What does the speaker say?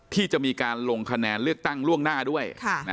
ที่จะมีการลงคะแนนเลือกตั้งล่วงหน้าด้วย